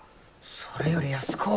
それより安子。